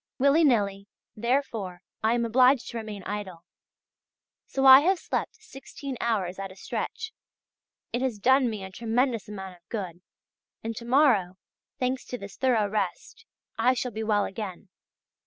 Willy nilly, therefore, I am obliged to remain idle. So I have slept sixteen hours at a stretch; it has done me a tremendous amount of good, and to morrow, thanks to this thorough rest, I shall be well again.